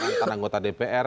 antara anggota dpr